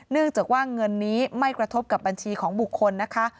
เนื่องจากว่าเงินนี้ไม่กระทบกับบัญชีของบุคคลนะคะ